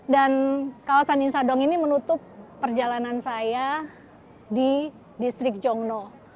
dan kawasan insadong ini menutup perjalanan saya di distrik jongno